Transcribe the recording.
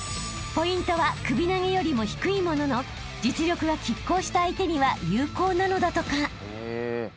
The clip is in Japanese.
［ポイントは首投げよりも低いものの実力が拮抗した相手には有効なのだとか］